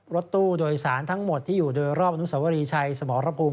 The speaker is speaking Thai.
รถตู้โดยสารทั้งหมดที่อยู่โดยรอบอนุสวรีชัยสมรภูมิ